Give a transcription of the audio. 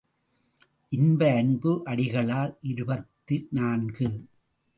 இன்ப அன்பு அடிகளார் இருபத்து நான்கு.